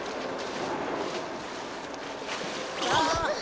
あっ。